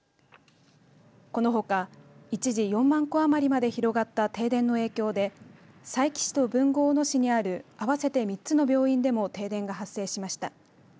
このほか一時、４万戸余りまで広がった停電の影響で佐伯市と豊後大野市にある合わせて３つの病院でも停電が発生しました。